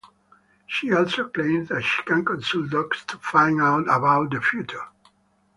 She also claims that she can consult dogs to find out about the future.